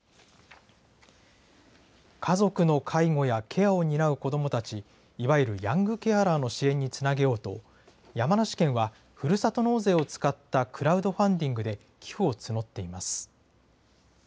家族の介護やケアを担う子どもたち、いわゆるヤングケアラーの支援につなげようと、山梨県はふるさと納税を使ったクラウドファンディングで寄付を募っています。